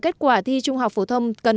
kết quả thi trung học phổ thông cần